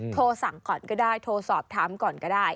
โทรสั่งก่อนก็ได้โทรสอบถามก่อนก็ได้